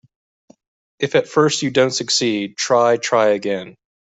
If at first you don't succeed, try, try again.